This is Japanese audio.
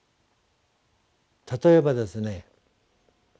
例えばですね